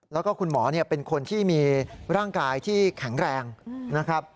แล้วก็คุณหมอเป็นคนที่มีร่างกายที่แข็งแรงนะครับ